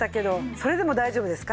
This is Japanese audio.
それでも大丈夫ですか？